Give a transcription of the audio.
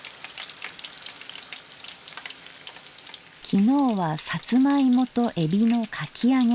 昨日はさつまいもとえびのかき揚げ。